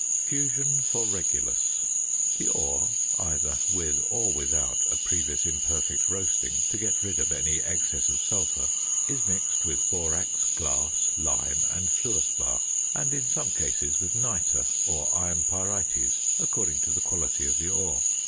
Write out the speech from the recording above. ~Fusion for Regulus.~ The ore (either with or without a previous imperfect roasting to get rid of any excess of sulphur) is mixed with borax, glass, lime, and fluor spar; and, in some cases, with nitre, or iron pyrites, according to the quality of the ore.